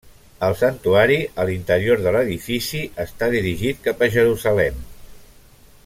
El santuari a l'interior de l'edifici està dirigit cap a Jerusalem.